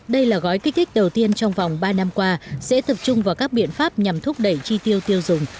đây là gói kích thích đầu tiên trong vòng ba năm qua sẽ tập trung vào các biện pháp nhằm thúc đẩy chi tiêu tiêu dùng